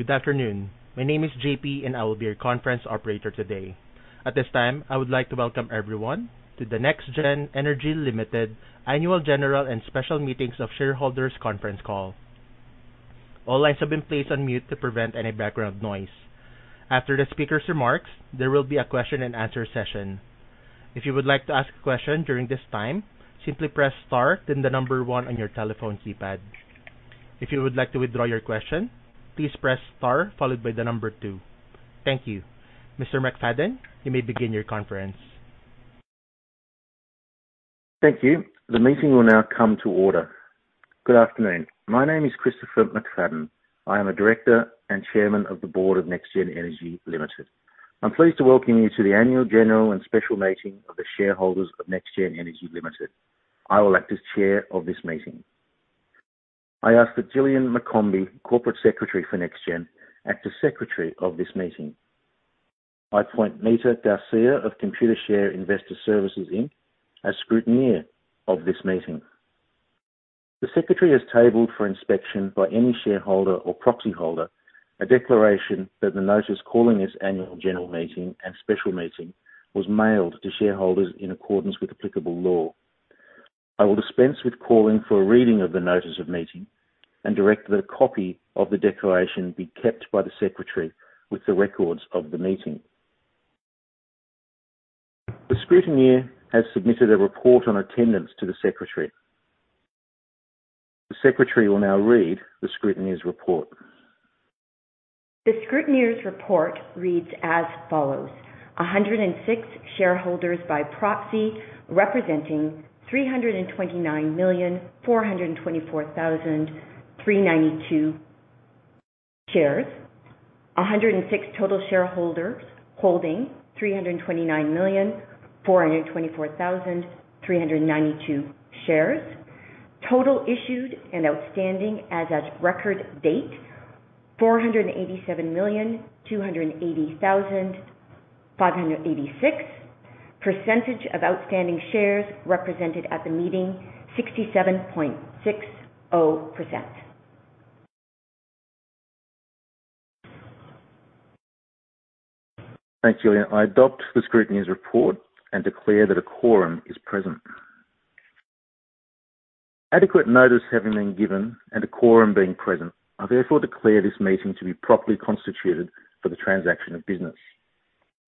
Good afternoon. My name is JP, and I will be your conference operator today. At this time, I would like to welcome everyone to the NexGen Energy Ltd. Annual General and Special Meetings of Shareholders Conference Call. All lines have been placed on mute to prevent any background noise. After the speaker's remarks, there will be a question and answer session. If you would like to ask a question during this time, simply press Star, then the number one on your telephone keypad. If you would like to withdraw your question, please press Star, followed by the number two. Thank you. Mr. McFadden, you may begin your conference. Thank you. The meeting will now come to order. Good afternoon. My name is Christopher McFadden. I am a director and chairman of the board of NexGen Energy Ltd. I'm pleased to welcome you to the annual general and special meeting of the shareholders of NexGen Energy Ltd. I will act as chair of this meeting. I ask that Gillian McCombie, corporate secretary for NexGen, act as secretary of this meeting. I appoint Mita Garcia of Computershare Investor Services Inc. as scrutineer of this meeting. The secretary has tabled for inspection by any shareholder or proxyholder, a declaration that the notice calling this annual general meeting and special meeting was mailed to shareholders in accordance with applicable law. I will dispense with calling for a reading of the notice of meeting and direct that a copy of the declaration be kept by the secretary with the records of the meeting. The scrutineer has submitted a report on attendance to the secretary. The secretary will now read the scrutineer's report. The scrutineer's report reads as follows: 106 shareholders by proxy, representing 329,424,392 shares. 106 total shareholders holding 329,424,392 shares. Total issued and outstanding as at record date, 487,280,586. Percentage of outstanding shares represented at the meeting, 67.60%. Thanks, Gillian. I adopt the scrutineer's report and declare that a quorum is present. Adequate notice having been given and a quorum being present, I therefore declare this meeting to be properly constituted for the transaction of business.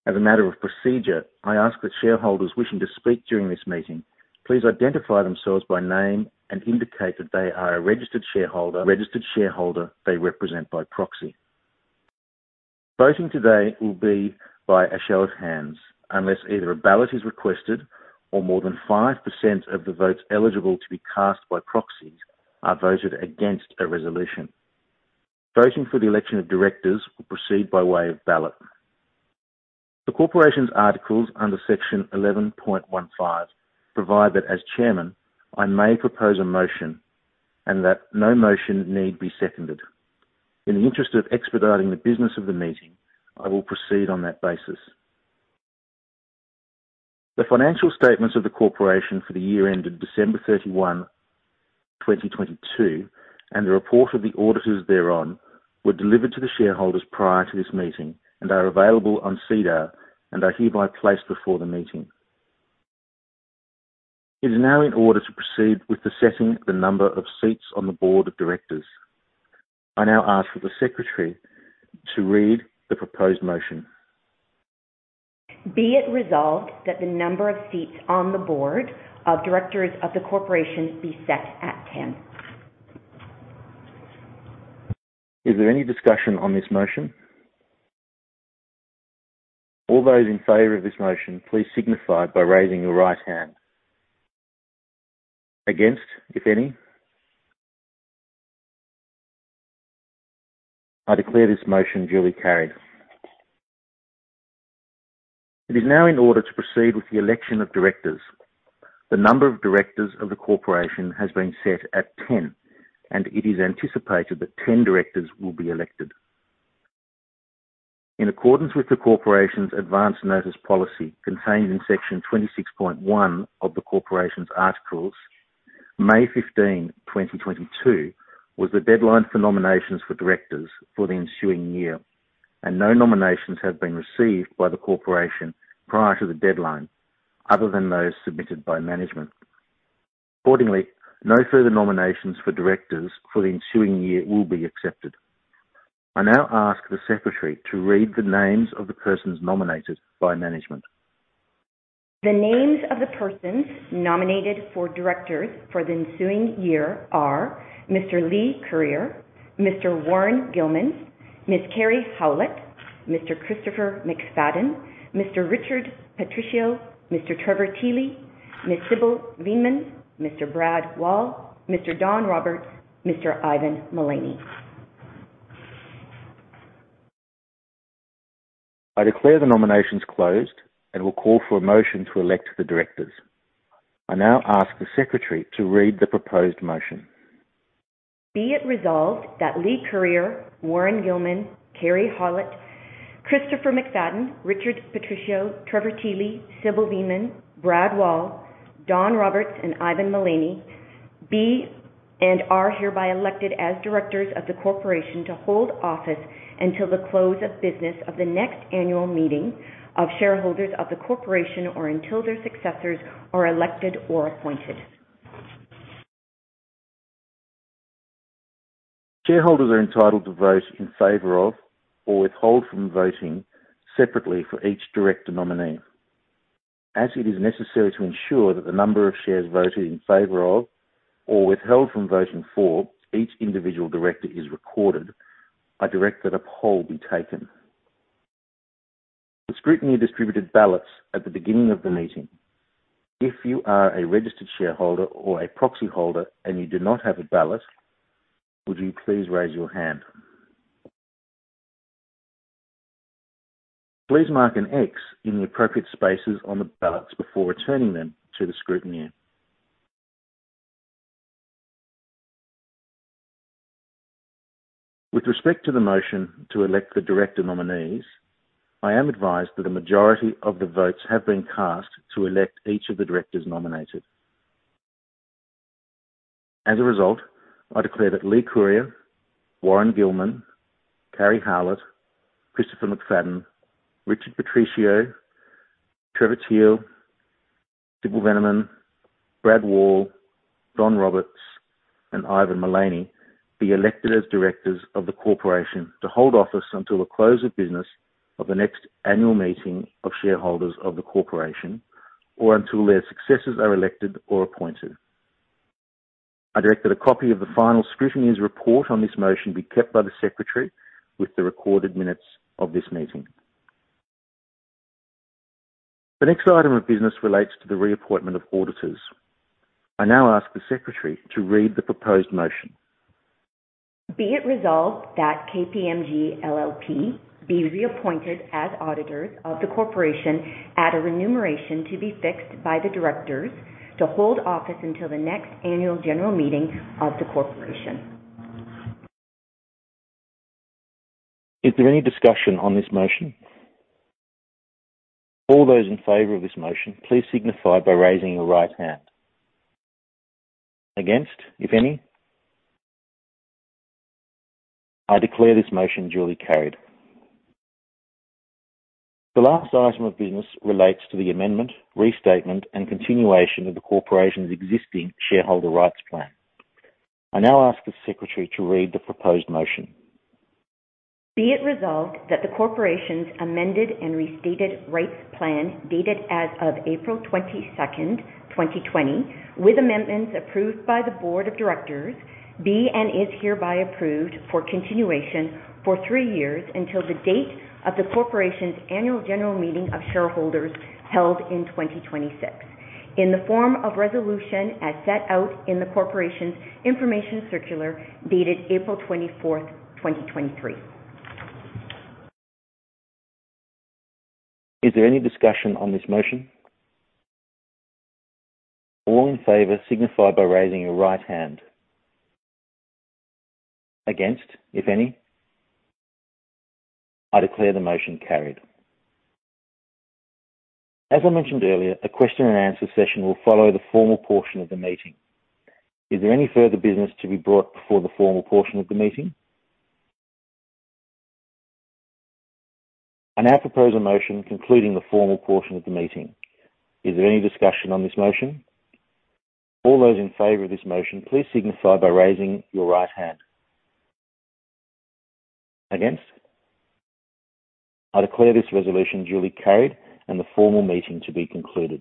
As a matter of procedure, I ask that shareholders wishing to speak during this meeting, please identify themselves by name and indicate that they are a registered shareholder they represent by proxy. Voting today will be by a show of hands, unless either a ballot is requested or more than 5% of the votes eligible to be cast by proxies are voted against a resolution. Voting for the election of directors will proceed by way of ballot. The corporation's articles under Section 11.15 provide that as chairman, I may propose a motion and that no motion need be seconded. In the interest of expediting the business of the meeting, I will proceed on that basis. The financial statements of the corporation for the year ended December 31st, 2022, and the report of the auditors thereon, were delivered to the shareholders prior to this meeting and are available on SEDAR and are hereby placed before the meeting. It is now in order to proceed with the setting the number of seats on the board of directors. I now ask for the secretary to read the proposed motion. Be it resolved that the number of seats on the board of directors of the corporation be set at 10. Is there any discussion on this motion? All those in favor of this motion, please signify by raising your right hand. Against, if any? I declare this motion duly carried. It is now in order to proceed with the election of directors. The number of directors of the corporation has been set at 10, and it is anticipated that 10 directors will be elected. In accordance with the corporation's advance notice policy, contained in Section 26.1 of the corporation's articles, May 15th, 2022, was the deadline for nominations for directors for the ensuing year, and no nominations have been received by the corporation prior to the deadline, other than those submitted by management. Accordingly, no further nominations for directors for the ensuing year will be accepted. I now ask the secretary to read the names of the persons nominated by management. The names of the persons nominated for directors for the ensuing year are Mr. Leigh Curyer, Mr. Warren Gilman, Ms. Karri Howlett, Mr. Christopher McFadden, Mr. Richard Patricio, Mr. Trevor Thiele, Ms. Sybil Veenman, Mr. Brad Wall, Mr. Don Roberts, Mr. Ivan Mullaney. I declare the nominations closed and will call for a motion to elect the directors. I now ask the secretary to read the proposed motion. Be it resolved that Leigh Curyer, Warren Gilman, Karri Howlett, Christopher McFadden, Richard Patricio, Trevor Thiele, Sybil Veenman, Brad Wall, Don Roberts, and Ivan Mullaney, be and are hereby elected as directors of the corporation to hold office until the close of business of the next annual meeting of shareholders of the corporation, or until their successors are elected or appointed. Shareholders are entitled to vote in favor of or withhold from voting separately for each director nominee. As it is necessary to ensure that the number of shares voted in favor of or withheld from voting for each individual director is recorded, I direct that a poll be taken. The scrutineer distributed ballots at the beginning of the meeting. If you are a registered shareholder or a proxy holder and you do not have a ballot, would you please raise your hand? Please mark an X in the appropriate spaces on the ballots before returning them to the scrutineer. With respect to the motion to elect the director nominees, I am advised that a majority of the votes have been cast to elect each of the directors nominated. As a result, I declare that Leigh Curyer, Warren Gilman, Karri Howlett, Christopher McFadden, Richard Patricio, Trevor Thiele, Sybil Veenman, Brad Wall, Don Roberts, and Ivan Mullaney, be elected as directors of the corporation to hold office until the close of business of the next annual meeting of shareholders of the corporation, or until their successors are elected or appointed. I direct that a copy of the final scrutineer's report on this motion be kept by the secretary with the recorded minutes of this meeting. The next item of business relates to the reappointment of auditors. I now ask the secretary to read the proposed motion. Be it resolved that KPMG LLP be reappointed as auditors of the corporation at a remuneration to be fixed by the directors to hold office until the next annual general meeting of the corporation. Is there any discussion on this motion? All those in favor of this motion, please signify by raising your right hand. Against, if any? I declare this motion duly carried. The last item of business relates to the amendment, restatement, and continuation of the corporation's existing shareholder rights plan. I now ask the secretary to read the proposed motion. Be it resolved that the corporation's amended and restated rights plan, dated as of April 22nd, 2020, with amendments approved by the board of directors, be and is hereby approved for continuation for three years until the date of the corporation's annual general meeting of shareholders held in 2026, in the form of resolution as set out in the corporation's information circular, dated April 24th, 2023. Is there any discussion on this motion? All in favor, signify by raising your right hand. Against, if any? I declare the motion carried. As I mentioned earlier, a question and answer session will follow the formal portion of the meeting. Is there any further business to be brought before the formal portion of the meeting? I now propose a motion concluding the formal portion of the meeting. Is there any discussion on this motion? All those in favor of this motion, please signify by raising your right hand. Against? I declare this resolution duly carried and the formal meeting to be concluded.